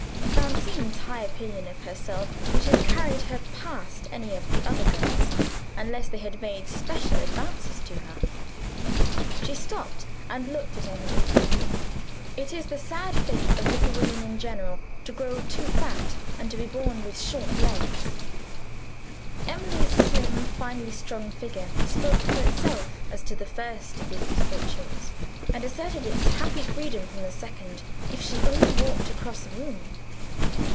Francine's high opinion of herself would have carried her past any of the other girls, unless they had made special advances to her. She stopped and looked at Emily. It is the sad fate of little women in general to grow too fat and to be born with short legs. Emily's slim finely strung figure spoke for itself as to the first of these misfortunes, and asserted its happy freedom from the second, if she only walked across a room.